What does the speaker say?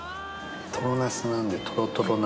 トロナスなんでトロトロな。